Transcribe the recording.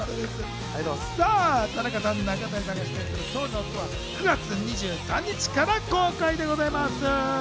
田中さん、中谷さんが出演する『総理の夫』は９月２３日から公開でございます。